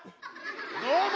どうも。